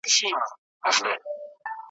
ماته تر لحده خپل نصیب قفس لیکلی دی `